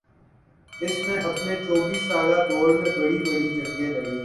اس نے اپنے چوبیس سالہ دور میں بڑی بڑی جنگیں لڑیں